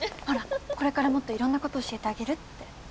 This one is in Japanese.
ほらっ、これから、もっといろんなこと教えてあげるって。